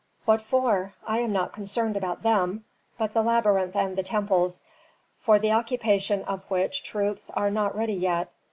"What for? I am not concerned about them, but the labyrinth and the temples, for the occupation of which troops are not ready yet.